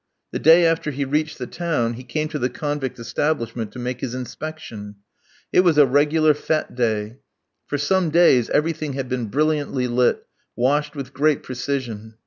The day after he reached the town, he came to the convict establishment to make his inspection. It was a regular fête day. For some days everything had been brilliantly clean, washed with great precision.